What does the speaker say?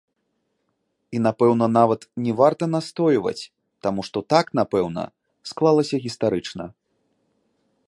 І, напэўна, нават не варта настойваць, таму што так, напэўна, склалася гістарычна.